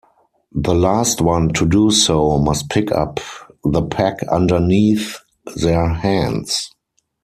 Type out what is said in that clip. The last one to do so must pick up the pack underneath their hands.